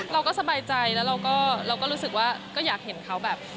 เราก็สบายใจแล้วเราก็รู้สึกว่าก็อยากเห็นเขาแบบ